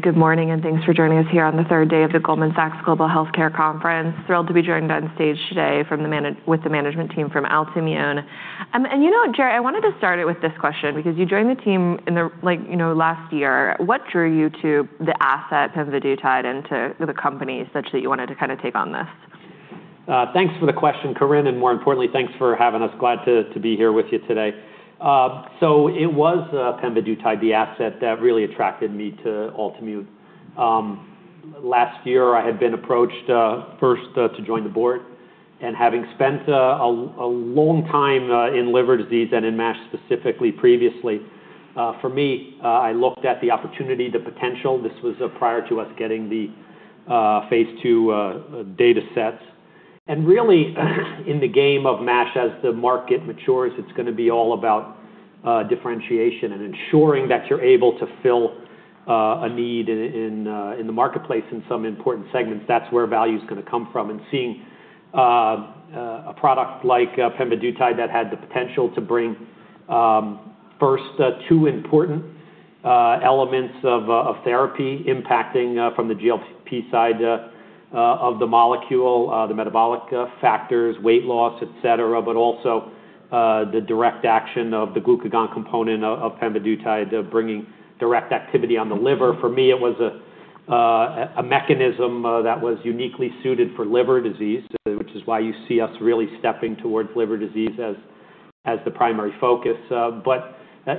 Good morning. Thanks for joining us here on the third day of the Goldman Sachs Global Healthcare Conference. Thrilled to be joined on stage today with the management team from Altimmune. Jerry, I wanted to start it with this question because you joined the team last year. What drew you to the asset pemvidutide and to the company such that you wanted to take on this? Thanks for the question, Corinne. More importantly, thanks for having us. Glad to be here with you today. It was pemvidutide, the asset, that really attracted me to Altimmune. Last year, I had been approached first to join the board, and having spent a long time in liver disease and in MASH specifically previously, for me, I looked at the opportunity, the potential. This was prior to us getting the phase II data sets. Really in the game of MASH, as the market matures, it's going to be all about differentiation and ensuring that you're able to fill a need in the marketplace in some important segments. That's where value's going to come from. Seeing a product like pemvidutide that had the potential to bring first two important elements of therapy impacting from the GLP side of the molecule, the metabolic factors, weight loss, et cetera, but also the direct action of the glucagon component of pemvidutide bringing direct activity on the liver. For me, it was a mechanism that was uniquely suited for liver disease, which is why you see us really stepping towards liver disease as the primary focus.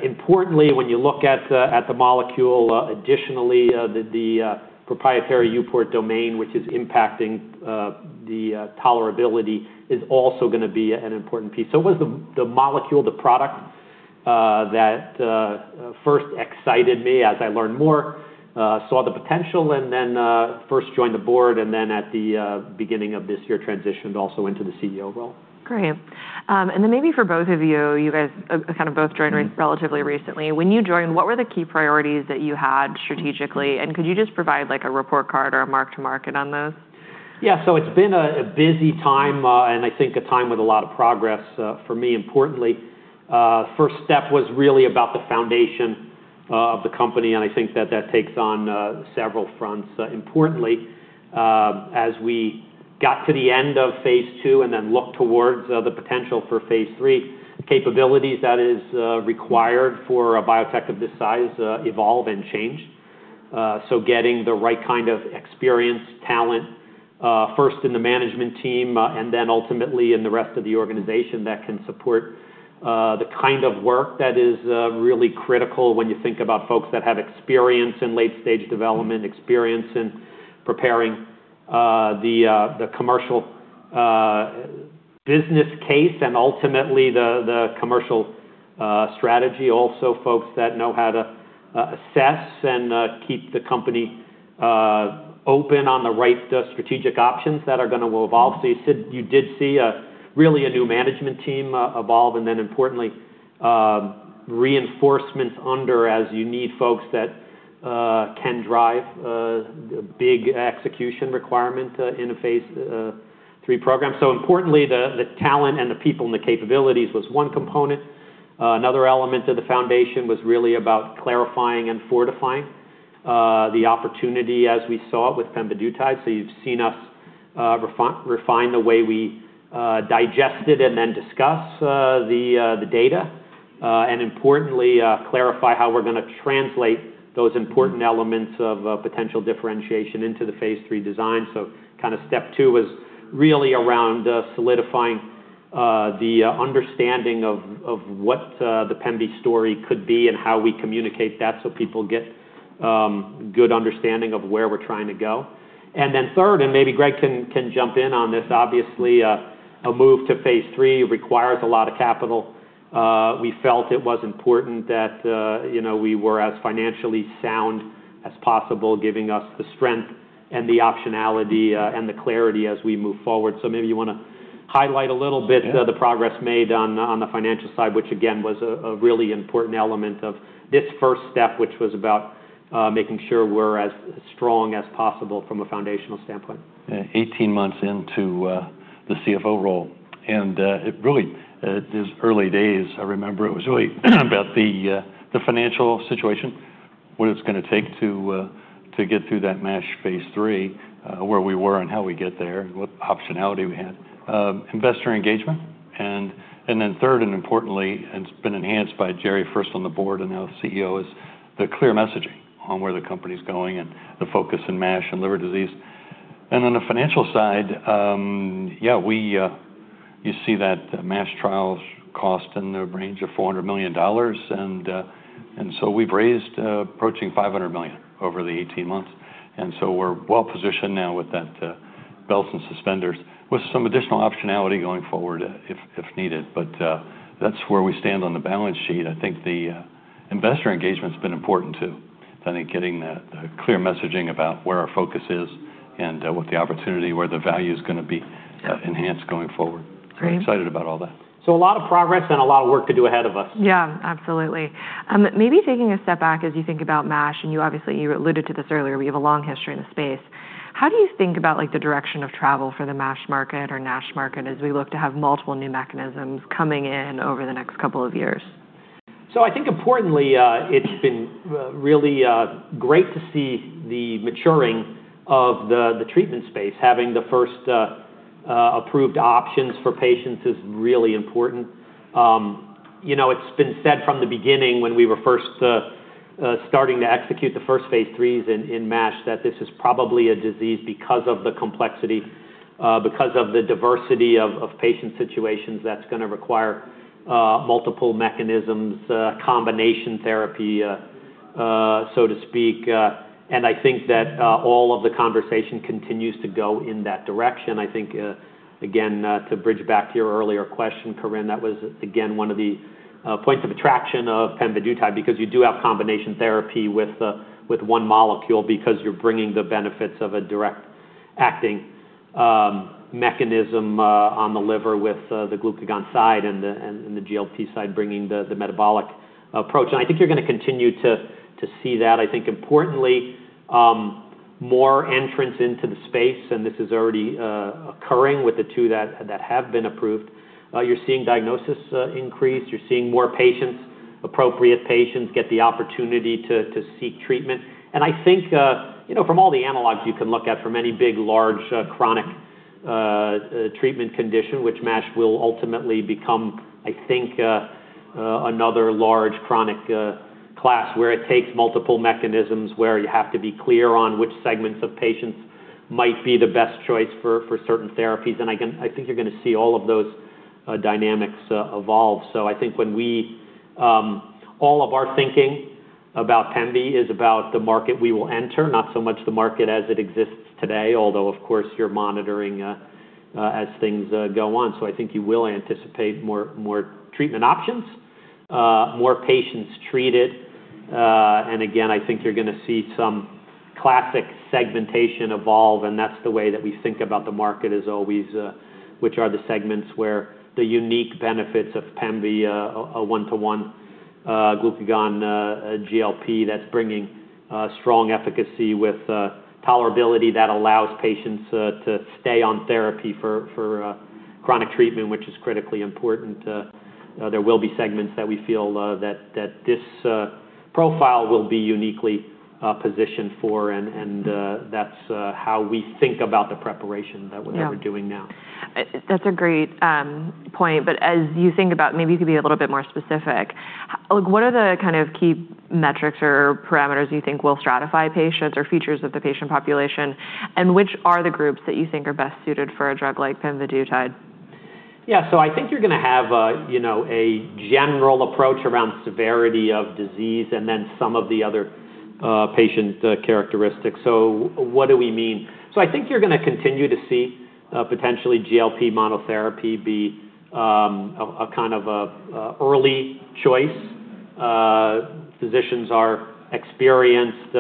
Importantly, when you look at the molecule, additionally, the proprietary EuPort domain, which is impacting the tolerability, is also going to be an important piece. It was the molecule, the product, that first excited me as I learned more, saw the potential, and then first joined the board, and then at the beginning of this year, transitioned also into the CEO role. Great. Maybe for both of you guys both joined relatively recently. When you joined, what were the key priorities that you had strategically, and could you just provide a report card or a mark-to-market on those? Yeah. It's been a busy time, and I think a time with a lot of progress for me, importantly. First step was really about the foundation of the company, and I think that that takes on several fronts. Importantly, as we got to the end of phase II and then looked towards the potential for phase III, the capabilities that is required for a biotech of this size evolve and change. Getting the right kind of experienced talent, first in the management team, and then ultimately in the rest of the organization that can support the kind of work that is really critical when you think about folks that have experience in late-stage development, experience in preparing the commercial business case, and ultimately the commercial strategy. Also, folks that know how to assess and keep the company open on the right strategic options that are going to evolve. You did see really a new management team evolve and then importantly, reinforcements under as you need folks that can drive the big execution requirement in a phase III program. Importantly, the talent and the people and the capabilities was one component. Another element of the foundation was really about clarifying and fortifying the opportunity as we saw with pemvidutide. You've seen us refine the way we digest it and then discuss the data, and importantly, clarify how we're going to translate those important elements of potential differentiation into the phase III design. Step two was really around solidifying the understanding of what the pemvi story could be and how we communicate that so people get good understanding of where we're trying to go. Then third, and maybe Greg can jump in on this, obviously, a move to phase III requires a lot of capital. We felt it was important that we were as financially sound as possible, giving us the strength and the optionality and the clarity as we move forward. Maybe you want to highlight a little bit. Yeah the progress made on the financial side, which again, was a really important element of this first step, which was about making sure we're as strong as possible from a foundational standpoint. 18 months into the CFO role, and it really is early days. I remember it was really about the financial situation, what it's going to take to get through that MASH phase III, where we were and how we get there, and what optionality we had. Investor engagement, and then third and importantly, and it's been enhanced by Jerry, first on the board and now the CEO, is the clear messaging on where the company's going and the focus in MASH and liver disease. On the financial side, you see that MASH trials cost in the range of $400 million, we've raised approaching $500 million over the 18 months. We're well-positioned now with that belts and suspenders with some additional optionality going forward if needed. That's where we stand on the balance sheet. I think the investor engagement's been important, too. I think getting the clear messaging about where our focus is and what the opportunity, where the value's going to be enhanced going forward. Great. Excited about all that. A lot of progress and a lot of work to do ahead of us. Yeah, absolutely. Maybe taking a step back as you think about MASH, and obviously you alluded to this earlier, we have a long history in the space. How do you think about the direction of travel for the MASH market or NASH market as we look to have multiple new mechanisms coming in over the next couple of years? I think importantly, it's been really great to see the maturing of the treatment space. Having the first approved options for patients is really important. It's been said from the beginning when we were first starting to execute the first phase III in MASH, that this is probably a disease because of the complexity, because of the diversity of patient situations, that's going to require multiple mechanisms, combination therapy, so to speak. I think that all of the conversation continues to go in that direction. I think, again, to bridge back to your earlier question, Corinne, that was, again, one of the points of attraction of pemvidutide, because you do have combination therapy with one molecule because you're bringing the benefits of a direct-acting mechanism on the liver with the glucagon side and the GLP side, bringing the metabolic approach. I think you're going to continue to see that. I think importantly, more entrants into the space, and this is already occurring with the two that have been approved. You're seeing diagnosis increase. You're seeing more patients, appropriate patients, get the opportunity to seek treatment. I think from all the analogs you can look at from any big, large, chronic treatment condition, which MASH will ultimately become, I think, another large chronic class where it takes multiple mechanisms, where you have to be clear on which segments of patients might be the best choice for certain therapies. I think you're going to see all of those dynamics evolve. I think all of our thinking about pemvi is about the market we will enter, not so much the market as it exists today, although, of course, you're monitoring as things go on. I think you will anticipate more treatment options, more patients treated. Again, I think you're going to see some classic segmentation evolve, and that's the way that we think about the market as always, which are the segments where the unique benefits of pemvi, 1:1 glucagon GLP that's bringing strong efficacy with tolerability that allows patients to stay on therapy for chronic treatment, which is critically important. There will be segments that we feel that this profile will be uniquely positioned for, and that's how we think about the preparation that we're doing now. That's a great point. As you think about, maybe you could be a little bit more specific. What are the kind of key metrics or parameters you think will stratify patients or features of the patient population, and which are the groups that you think are best suited for a drug like pemvidutide? Yeah. I think you're going to have a general approach around severity of disease and then some of the other patient characteristics. What do we mean? I think you're going to continue to see potentially GLP monotherapy be a kind of early choice. Physicians are experienced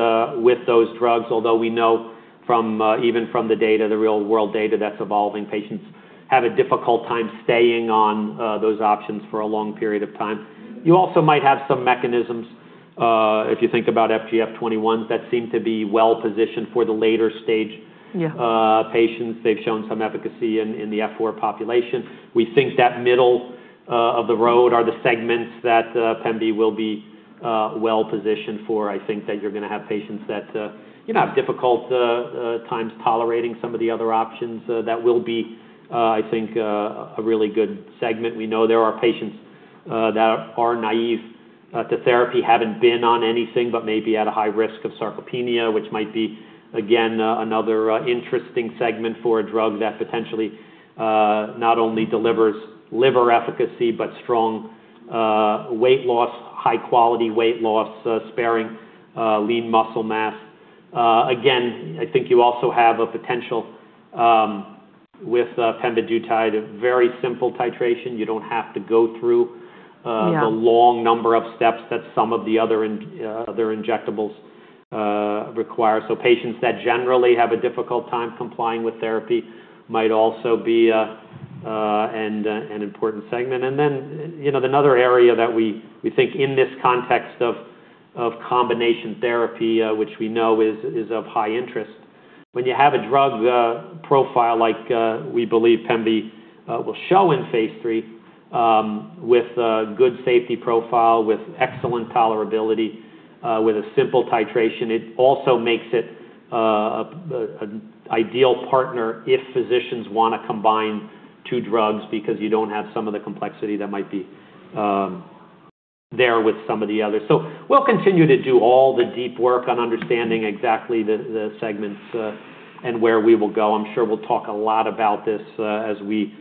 with those drugs, although we know even from the data, the real-world data that's evolving, patients have a difficult time staying on those options for a long period of time. You also might have some mechanisms, if you think about FGF21, that seem to be well-positioned for the later-stage patients. They've shown some efficacy in the F4 population. We think that middle of the road are the segments that pemvi will be well-positioned for. I think that you're going to have patients that have difficult times tolerating some of the other options. That will be, I think, a really good segment. We know there are patients that are naive to therapy, haven't been on anything, but may be at a high risk of sarcopenia, which might be, again, another interesting segment for a drug that potentially not only delivers liver efficacy, but strong weight loss, high-quality weight loss, sparing lean muscle mass. Again, I think you also have a potential with pemvidutide, a very simple titration. You don't have to go through. Yeah The long number of steps that some of the other injectables require. Patients that generally have a difficult time complying with therapy might also be an important segment. Another area that we think in this context of combination therapy, which we know is of high interest, when you have a drug profile like we believe pemvi will show in phase III with a good safety profile, with excellent tolerability, with a simple titration, it also makes it an ideal partner if physicians want to combine two drugs because you don't have some of the complexity that might be there with some of the others. We'll continue to do all the deep work on understanding exactly the segments and where we will go. I'm sure we'll talk a lot about this as we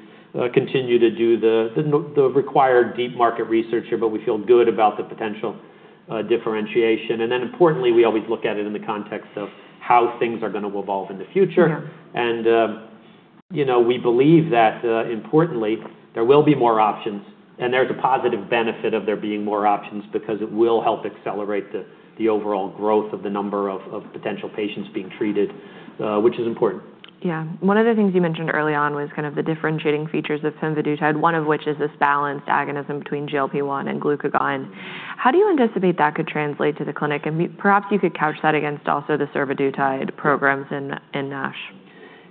continue to do the required deep market research here, but we feel good about the potential differentiation. Importantly, we always look at it in the context of how things are going to evolve in the future. Sure. We believe that importantly, there will be more options, and there's a positive benefit of there being more options because it will help accelerate the overall growth of the number of potential patients being treated, which is important. Yeah. One of the things you mentioned early on was kind of the differentiating features of pemvidutide, one of which is this balanced agonism between GLP-1 and glucagon. How do you anticipate that could translate to the clinic? Perhaps you could couch that against also the survodutide programs in NASH.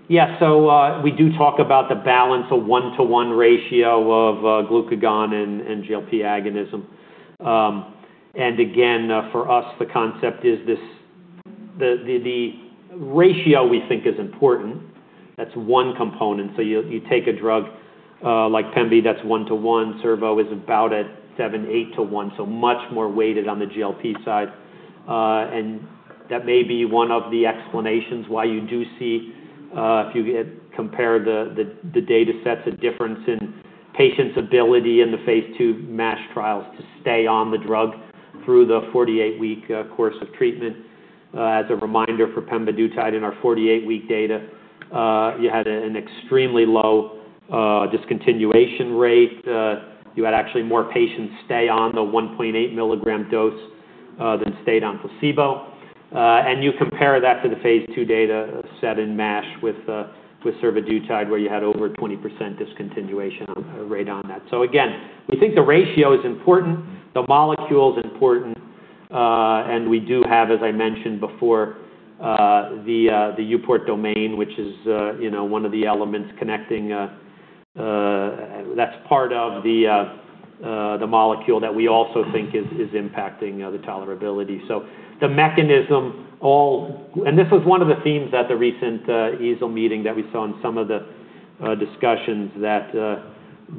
Yeah. We do talk about the balance of 1:1 ratio of glucagon and GLP agonism. Again, for us, the concept is the ratio we think is important. That's one component. You take a drug like pemvi, that's 1:1. Survo is about at 7, 8 to 1, so much more weighted on the GLP side. That may be one of the explanations why you do see, if you compare the data sets, a difference in patients' ability in the phase II MASH trials to stay on the drug through the 48-week course of treatment. As a reminder, for pemvidutide in our 48-week data, you had an extremely low discontinuation rate. You had actually more patients stay on the 1.8 mg dose than stayed on placebo. You compare that to the phase II data set in MASH with survodutide where you had over 20% discontinuation rate on that. Again, we think the ratio is important, the molecule's important, and we do have, as I mentioned before, the EuPort domain, which is one of the elements that's part of the molecule that we also think is impacting the tolerability. The mechanism, this was one of the themes at the recent EASL meeting that we saw in some of the discussions, that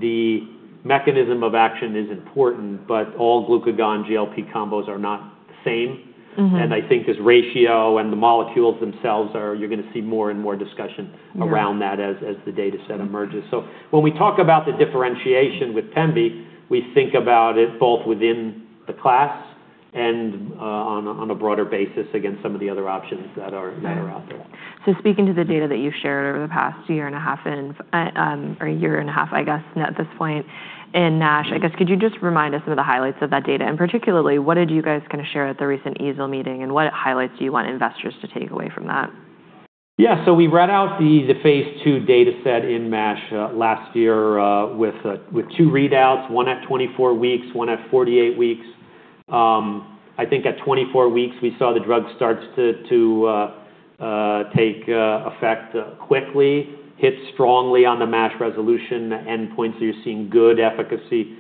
the mechanism of action is important, but all glucagon GLP combos are not the same. I think this ratio and the molecules themselves are, you're going to see more and more discussion. Yeah around that as the data set emerges. When we talk about the differentiation with pemvi, we think about it both within the class and on a broader basis against some of the other options that are out there. Speaking to the data that you've shared over the past year and a half, or a year and a half, I guess, at this point in NASH, I guess, could you just remind us of the highlights of that data? Particularly, what did you guys kind of share at the recent EASL meeting, and what highlights do you want investors to take away from that? Yeah. We read out the phase II data set in MASH last year with two readouts, one at 24 weeks, one at 48 weeks. I think at 24 weeks, we saw the drug starts to take effect quickly, hits strongly on the MASH resolution endpoint, so you're seeing good efficacy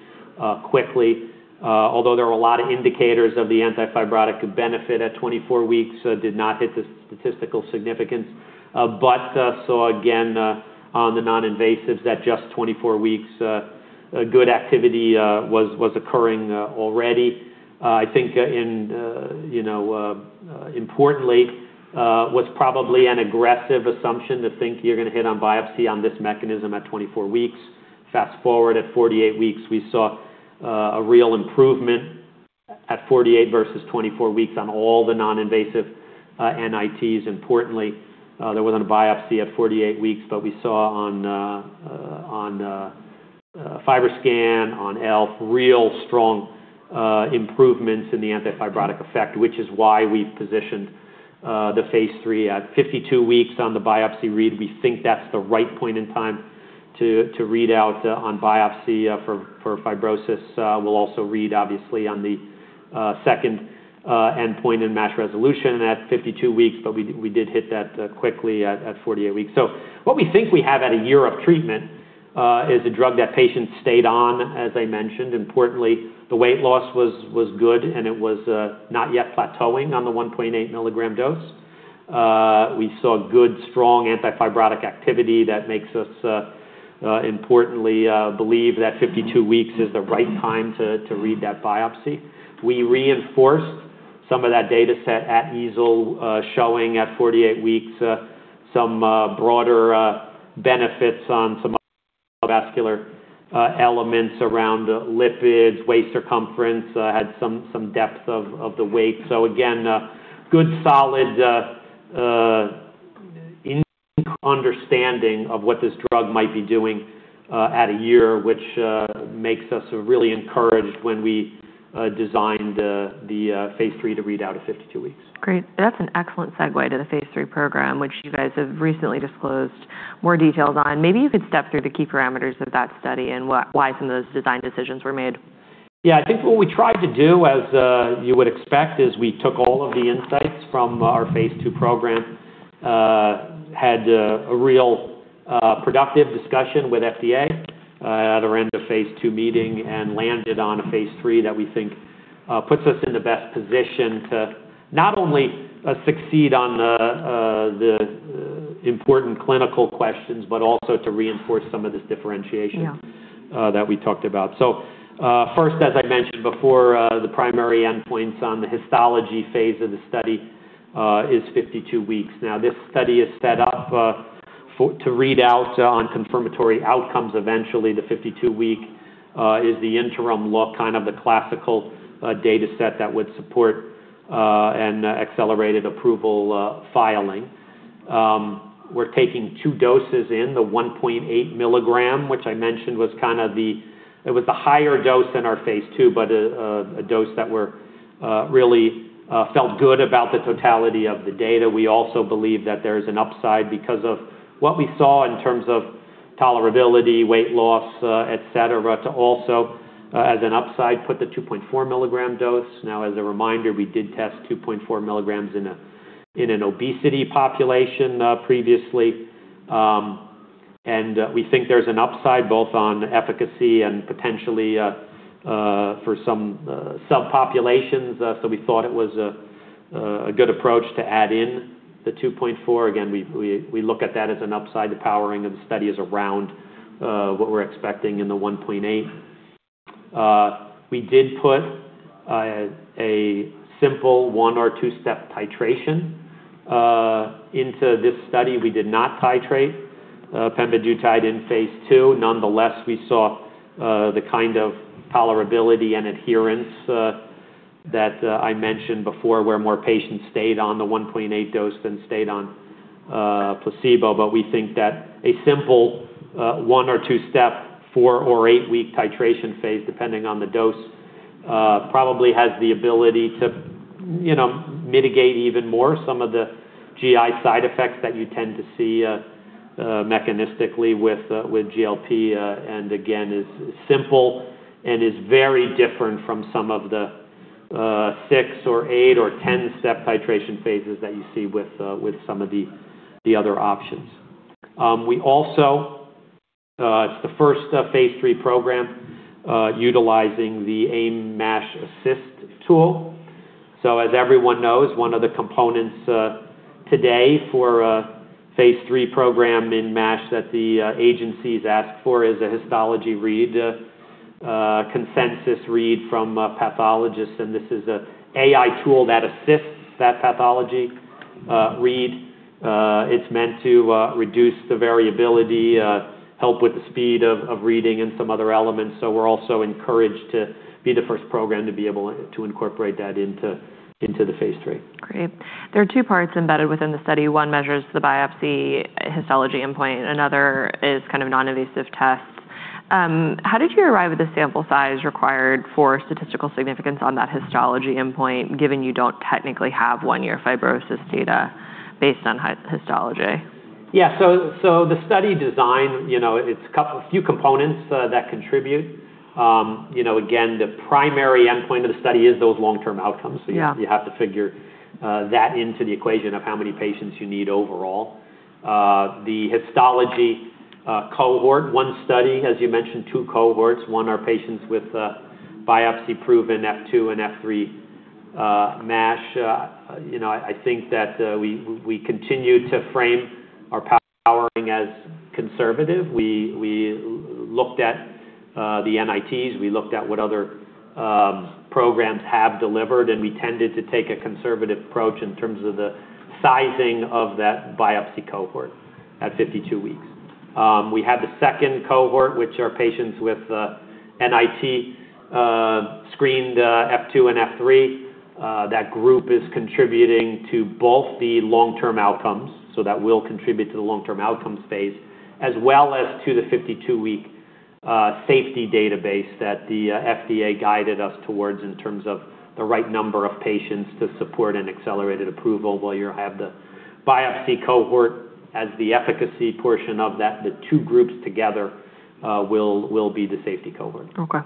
quickly. Although there were a lot of indicators of the antifibrotic benefit at 24 weeks, did not hit the statistical significance. Saw, again, on the non-invasives at just 24 weeks, good activity was occurring already. I think importantly, was probably an aggressive assumption to think you're going to hit on biopsy on this mechanism at 24 weeks. Fast-forward at 48 weeks, we saw a real improvement at 48 versus 24 weeks on all the non-invasive NITs. Importantly, there wasn't a biopsy at 48 weeks, but we saw on FibroScan, on ELF, real strong improvements in the antifibrotic effect, which is why we positioned the phase III at 52 weeks on the biopsy read. We think that's the right point in time to read out on biopsy for fibrosis. We'll also read, obviously, on the second endpoint in MASH resolution at 52 weeks, but we did hit that quickly at 48 weeks. What we think we have at a year of treatment is a drug that patients stayed on, as I mentioned. Importantly, the weight loss was good, and it was not yet plateauing on the 1.8 milligram dose. We saw good, strong antifibrotic activity that makes us importantly believe that 52 weeks is the right time to read that biopsy. We reinforced some of that data set at EASL, showing at 48 weeks some broader benefits on some vascular elements around lipids, waist circumference, had some depth of the weight. Again, good solid understanding of what this drug might be doing at a year, which makes us really encouraged when we designed the phase III to read out at 52 weeks. Great. That's an excellent segue to the phase III program, which you guys have recently disclosed more details on. Maybe you could step through the key parameters of that study and why some of those design decisions were made. Yeah. I think what we tried to do, as you would expect, is we took all of the insights from our phase II program, had a real productive discussion with FDA at our end-of-phase II meeting, and landed on a phase III that we think puts us in the best position to not only succeed on the important clinical questions, but also to reinforce some of this differentiation. Yeah That we talked about. First, as I mentioned before, the primary endpoints on the histology phase of the study is 52 weeks. This study is set up to read out on confirmatory outcomes eventually. The 52-week is the interim look, kind of the classical data set that would support an accelerated approval filing. We're taking two doses in, the 1.8 mg, which I mentioned was the higher dose in our phase II, but a dose that we really felt good about the totality of the data. We also believe that there is an upside because of what we saw in terms of tolerability, weight loss, et cetera, to also, as an upside, put the 2.4 mg dose. As a reminder, we did test 2.4 mg in an obesity population previously. We think there's an upside both on efficacy and potentially for some subpopulations. We thought it was a good approach to add in the 2.4. Again, we look at that as an upside to powering, and the study is around what we're expecting in the 1.8. We did put a simple one or two-step titration into this study. We did not titrate pemvidutide in phase II. Nonetheless, we saw the kind of tolerability and adherence that I mentioned before, where more patients stayed on the 1.8 dose than stayed on placebo. We think that a simple one or two-step, four or eight-week titration phase, depending on the dose, probably has the ability to mitigate even more some of the GI side effects that you tend to see mechanistically with GLP. Again, is simple and is very different from some of the six or eight or 10-step titration phases that you see with some of the other options. It's the first phase III program utilizing the AIM-MASH AI Assist tool. As everyone knows, one of the components today for a phase III program in MASH that the agencies ask for is a histology read, a consensus read from pathologists, and this is an AI tool that assists that pathology read. It's meant to reduce the variability, help with the speed of reading and some other elements. We're also encouraged to be the first program to be able to incorporate that into the phase III. Great. There are two parts embedded within the study. One measures the biopsy histology endpoint. Another is kind of non-invasive tests. How did you arrive at the sample size required for statistical significance on that histology endpoint, given you don't technically have one year fibrosis data based on histology? The study design, it's a few components that contribute. Again, the primary endpoint of the study is those long-term outcomes. Yeah. You have to figure that into the equation of how many patients you need overall. The histology cohort, one study, as you mentioned, two cohorts, one are patients with biopsy-proven F2 and F3 MASH. I think that we continue to frame our powering as conservative. We looked at the NITs, we looked at what other programs have delivered, and we tended to take a conservative approach in terms of the sizing of that biopsy cohort at 52 weeks. We have the second cohort, which are patients with NIT-screened F2 and F3. That group is contributing to both the long-term outcomes, so that will contribute to the long-term outcomes phase, as well as to the 52-week safety database that the FDA guided us towards in terms of the right number of patients to support an accelerated approval. While you'll have the biopsy cohort as the efficacy portion of that, the two groups together will be the safety cohort. Okay.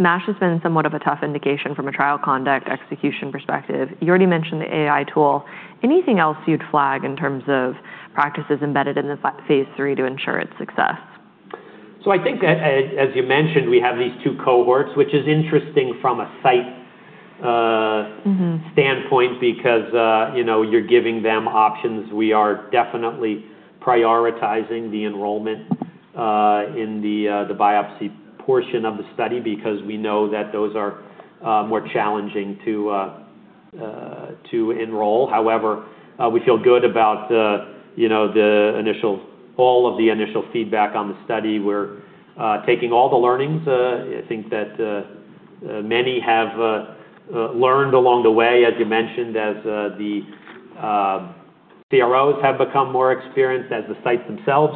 MASH has been somewhat of a tough indication from a trial conduct execution perspective. You already mentioned the AI tool. Anything else you'd flag in terms of practices embedded in the phase III to ensure its success? As you mentioned, we have these two cohorts, which is interesting from a site standpoint because you're giving them options. We are definitely prioritizing the enrollment in the biopsy portion of the study because we know that those are more challenging to enroll. However, we feel good about all of the initial feedback on the study. We're taking all the learnings. I think that many have learned along the way, as you mentioned, as the CROs have become more experienced, as the sites themselves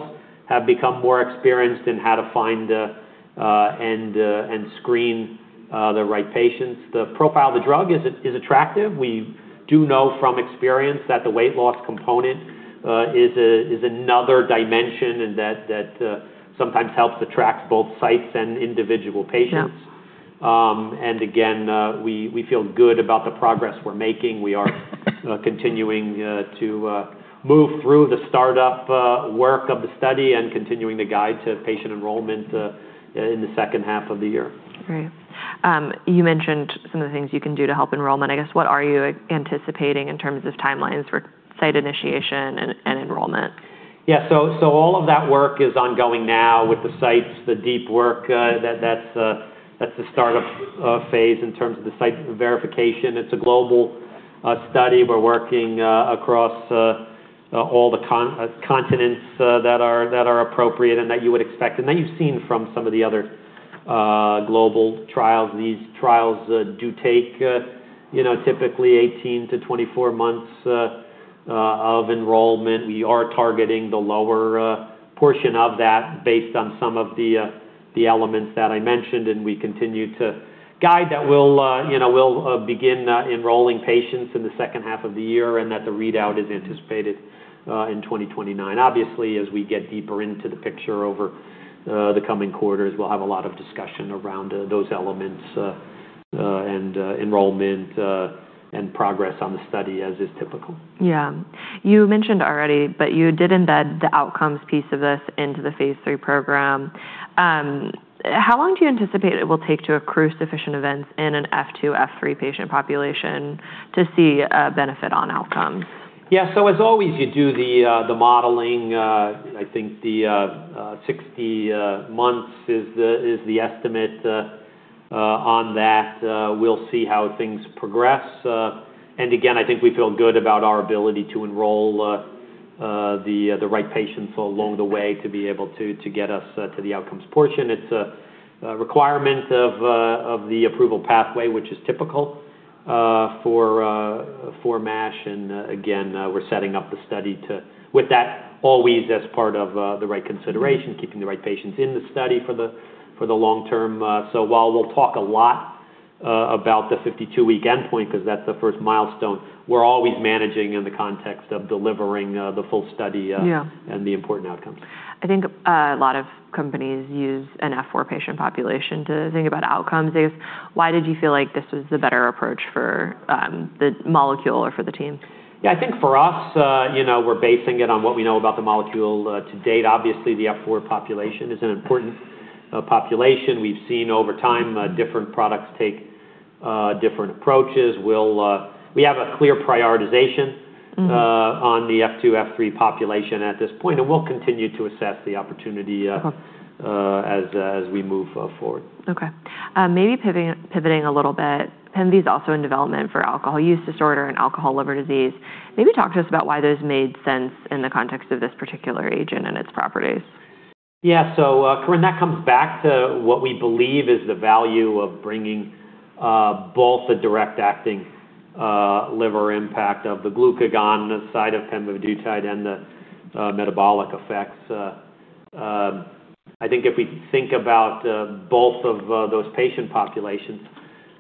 have become more experienced in how to find and screen the right patients. The profile of the drug is attractive. We do know from experience that the weight loss component is another dimension, and that sometimes helps attract both sites and individual patients. Yeah. Again, we feel good about the progress we're making. We are continuing to move through the startup work of the study and continuing to guide to patient enrollment in the second half of the year. Great. You mentioned some of the things you can do to help enrollment. I guess what are you anticipating in terms of timelines for site initiation and enrollment? Yeah. All of that work is ongoing now with the sites, the deep work, that's the startup phase in terms of the site verification. It's a global study. We're working across all the continents that are appropriate and that you would expect, and that you've seen from some of the other global trials. These trials do take typically 18 months to 24 months of enrollment. We are targeting the lower portion of that based on some of the elements that I mentioned, and we continue to guide that we'll begin enrolling patients in the second half of the year and that the readout is anticipated in 2029. As we get deeper into the picture over the coming quarters, we'll have a lot of discussion around those elements and enrollment, and progress on the study, as is typical. Yeah. You mentioned already, you did embed the outcomes piece of this into the phase III program. How long do you anticipate it will take to accrue sufficient events in an F2, F3 patient population to see a benefit on outcomes? Yeah. As always, you do the modeling. I think the 60 months is the estimate on that. We'll see how things progress. Again, I think we feel good about our ability to enroll the right patients along the way to be able to get us to the outcomes portion. It's a requirement of the approval pathway, which is typical for MASH. Again, we're setting up the study with that always as part of the right consideration, keeping the right patients in the study for the long term. While we'll talk a lot about the 52-week endpoint, because that's the first milestone, we're always managing in the context of delivering the full study. Yeah The important outcomes. I think a lot of companies use an F4 patient population to think about outcomes. Why did you feel like this was the better approach for the molecule or for the team? Yeah, I think for us, we're basing it on what we know about the molecule to date. Obviously, the F4 population is an important population. We've seen over time, different products take different approaches. We have a clear prioritization. On the F2, F3 population at this point, and we'll continue to assess the opportunity. Okay as we move forward. Okay. Maybe pivoting a little bit. Pemvi's also in development for alcohol use disorder and alcohol liver disease. Maybe talk to us about why those made sense in the context of this particular agent and its properties. Corinne, that comes back to what we believe is the value of bringing both the direct-acting liver impact of the glucagon side of pemvidutide and the metabolic effects. I think if we think about both of those patient populations,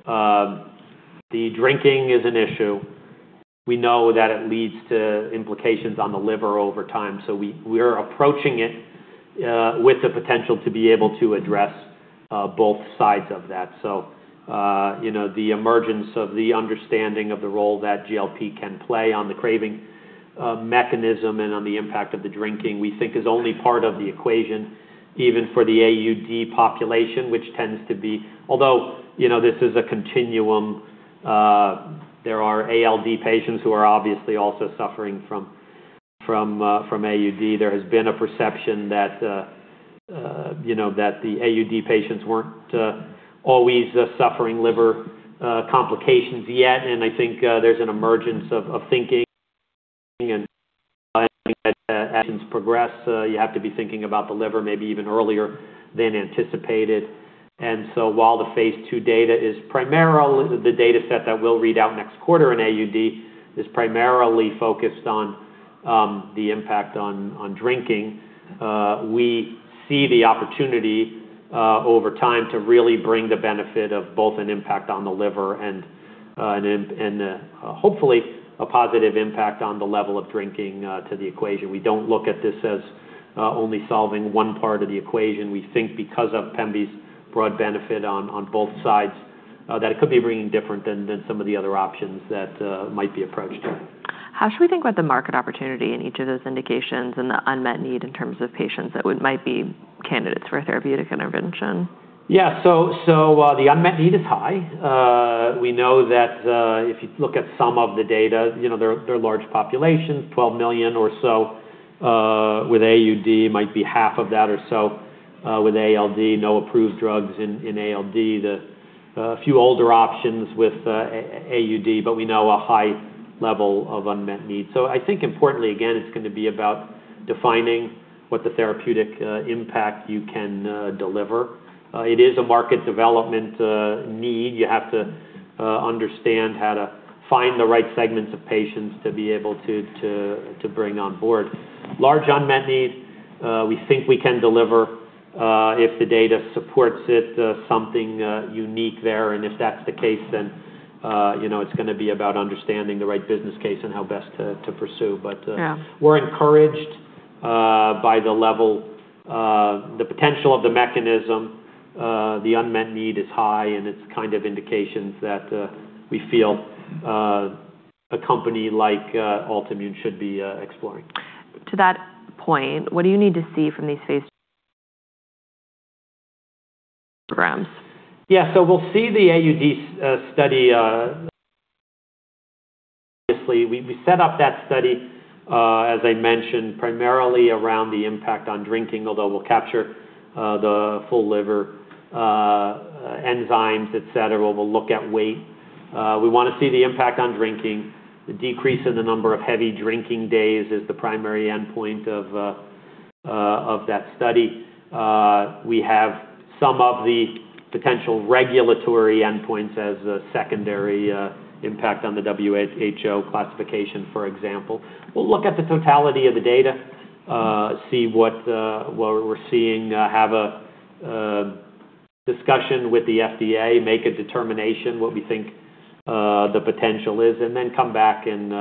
the drinking is an issue. We know that it leads to implications on the liver over time. We are approaching it with the potential to be able to address both sides of that. The emergence of the understanding of the role that GLP can play on the craving mechanism and on the impact of the drinking, we think is only part of the equation, even for the AUD population. Although this is a continuum, there are ALD patients who are obviously also suffering from AUD. There has been a perception that the AUD patients weren't always suffering liver complications yet, and I think there's an emergence of thinking and actions progress. You have to be thinking about the liver maybe even earlier than anticipated. While the phase II data is primarily the data set that we'll read out next quarter in AUD, is primarily focused on the impact on drinking. We see the opportunity over time to really bring the benefit of both an impact on the liver and hopefully a positive impact on the level of drinking to the equation. We don't look at this as only solving one part of the equation. We think because of Pemvi's broad benefit on both sides, that it could be bringing different than some of the other options that might be approached there. Okay. How should we think about the market opportunity in each of those indications and the unmet need in terms of patients that might be candidates for a therapeutic intervention? The unmet need is high. We know that if you look at some of the data, there are large populations, 12 million or so with AUD. Might be half of that or so with ALD. No approved drugs in ALD. A few older options with AUD. We know a high level of unmet need. I think importantly, again, it's going to be about defining what the therapeutic impact you can deliver. It is a market development need. You have to understand how to find the right segments of patients to be able to bring on board. Large unmet need. We think we can deliver, if the data supports it, something unique there. If that's the case, then it's going to be about understanding the right business case and how best to pursue. Yeah We're encouraged by the level of the potential of the mechanism. The unmet need is high. It's indications that we feel a company like Altimmune should be exploring. To that point, what do you need to see from these phase programs? We'll see the AUD study. Obviously, we set up that study, as I mentioned, primarily around the impact on drinking, although we'll capture the full liver enzymes, et cetera. We'll look at weight. We want to see the impact on drinking. The decrease in the number of heavy drinking days is the primary endpoint of that study. We have some of the potential regulatory endpoints as a secondary impact on the WHO classification, for example. We'll look at the totality of the data, see what we're seeing, have a discussion with the FDA, make a determination what we think the potential is. Then come back and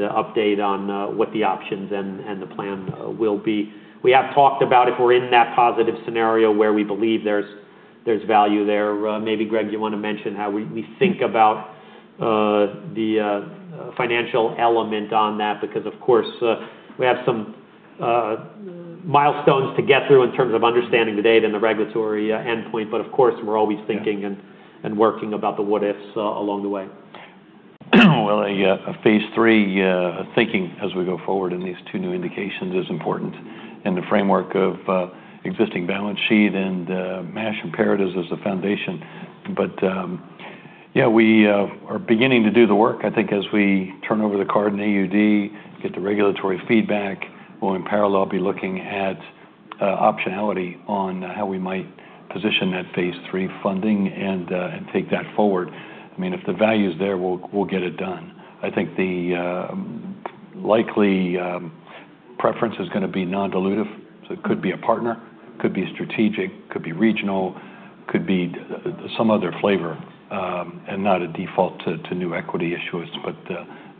update on what the options and the plan will be. We have talked about if we're in that positive scenario where we believe there's value there. Maybe, Greg, you want to mention how we think about the financial element on that, because of course, we have some milestones to get through in terms of understanding the data and the regulatory endpoint. Of course, we're always thinking and working about the what-ifs along the way. Well, a phase III thinking as we go forward in these two new indications is important, and the framework of existing balance sheet and MASH imperatives as the foundation. Yeah, we are beginning to do the work. I think as we turn over the card in AUD, get the regulatory feedback, we'll in parallel be looking at optionality on how we might position that phase III funding and take that forward. If the value is there, we'll get it done. I think the likely preference is going to be non-dilutive. It could be a partner, could be strategic, could be regional, could be some other flavor, and not a default to new equity issuers.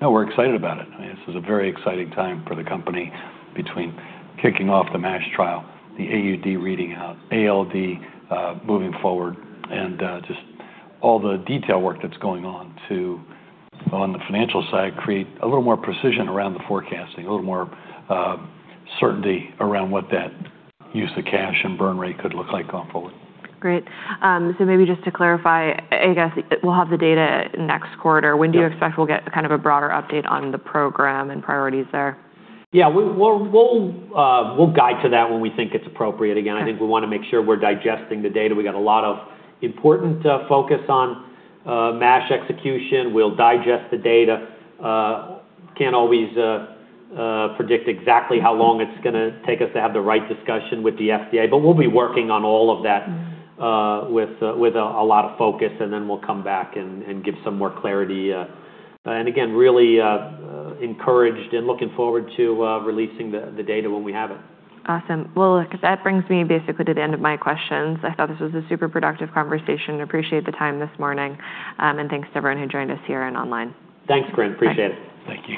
No, we're excited about it. This is a very exciting time for the company between kicking off the MASH trial, the AUD reading out, ALD moving forward, and just all the detail work that's going on to, on the financial side, create a little more precision around the forecasting, a little more certainty around what that use of cash and burn rate could look like going forward. Great. Maybe just to clarify, I guess we'll have the data next quarter. Yeah. When do you expect we'll get a broader update on the program and priorities there? Yeah. We'll guide to that when we think it's appropriate. Again, I think we want to make sure we're digesting the data. We got a lot of important focus on MASH execution. We'll digest the data. Can't always predict exactly how long it's going to take us to have the right discussion with the FDA. We'll be working on all of that with a lot of focus, and then we'll come back and give some more clarity. Again, really encouraged and looking forward to releasing the data when we have it. Awesome. Well, look, that brings me basically to the end of my questions. I thought this was a super productive conversation. Appreciate the time this morning, and thanks to everyone who joined us here and online. Thanks, Corinne. Appreciate it. Thank you.